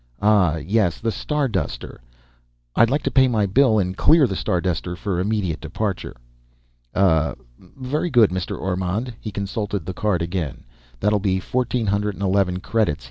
"Ah, yes, the Starduster." "I'd like to pay my bill and clear the Starduster for immediate departure." "Uh, very good, Mr. Ormond." He consulted the card again. "That'll be fourteen hundred and eleven credits."